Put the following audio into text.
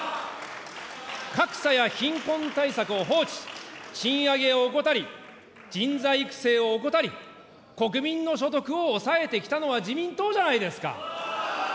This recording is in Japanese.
格差や貧困対策を放置し、賃上げを怠り、人材育成を怠り、国民の所得をおさえてきたのは自民党じゃないですか。